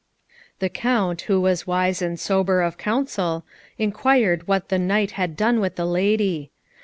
The Count, who was wise and sober of counsel, inquired what the knight had done with the lady.